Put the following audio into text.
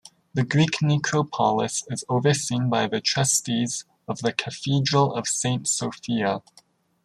The Greek necropolis is overseen by the trustees of the Cathedral of Saint Sophia.